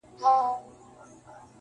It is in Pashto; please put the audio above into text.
د مېړه له بدرنګیه کړېدله -